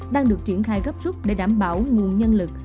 đang được triển khai gấp rút để đảm bảo nguồn nhân lực